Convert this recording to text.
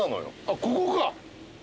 あっここか！